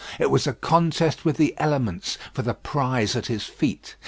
It was a contest with the elements for the prize at his feet.